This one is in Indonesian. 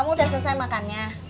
kamu udah selesai makannya